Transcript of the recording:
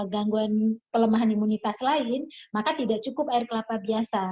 gangguan pelemahan imunitas lain maka tidak cukup air kelapa biasa